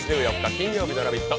金曜日の「ラヴィット！」